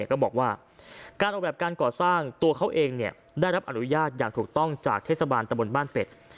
ก็บอกว่าการออกแบบการก่อสร้างตัวเขาเองได้รับอนุญาตอย่างถูกต้องจากเทศบาลตะบนบ้านเป็ด